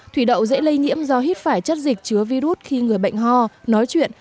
thủy đậu dễ lây nhiễm do hít phải chất dịch chứa virus khi người bệnh ho nói chuyện